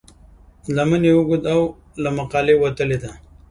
لمن یې اوږده ده او له مقالې وتلې ده.